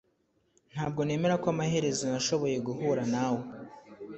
Ntabwo nemera ko amaherezo nashoboye guhura nawe